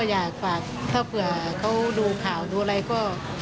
อยากฝากถ้าเผื่อเขาดูข่าวดูอะไรก็